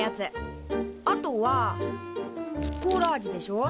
あとはコーラ味でしょ